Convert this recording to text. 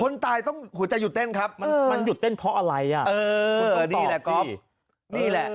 ไม่สิครับมันหยุดเต้นเพราะอะไรคุณต้องตอบสินี่แหละ